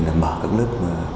cho việc mở các lớp